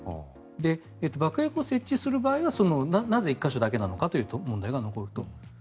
爆薬を設置する場合はなぜ１か所だけなのかという問題が残ると。